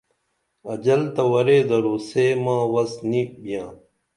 اجل تہ ورے درو سے ماں وس نی بیاں